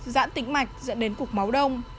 dãn tĩnh mạch dẫn đến cục máu đông